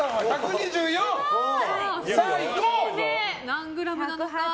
２個目、何グラムなのか。